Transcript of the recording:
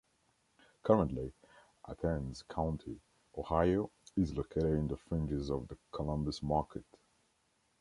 Currently Athens County, Ohio is located in the fringes of the Columbus market.